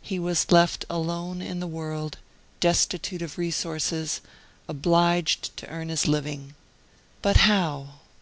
He was left alone in the world, destitute of resources, obliged to earn his living. But how?